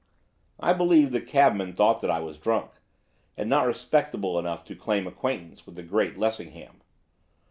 I believe the cabman thought that I was drunk, and not respectable enough to claim acquaintance with the great Mr Lessingham.